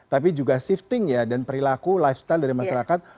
tapi juga shifting ya dan perilaku lifestyle dari masyarakat